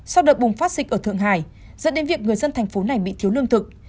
sau đợt bùng phát dịch ở thượng hải dẫn đến việc người dân thành phố này bị thiếu lương thực